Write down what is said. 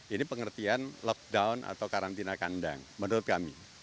ini pengertian lockdown atau karantina kandang menurut kami